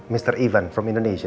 mr ivan dari indonesia